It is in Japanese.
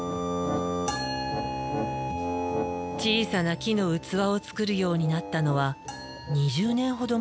小さな木の器を作るようになったのは２０年ほど前。